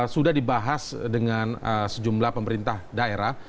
sudah dibahas dengan sejumlah pemerintah daerah